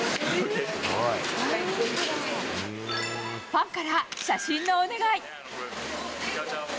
ファンから写真のお願い。